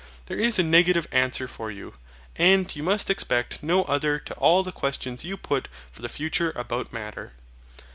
There is a negative answer for you. And you must expect no other to all the questions you put for the future about Matter.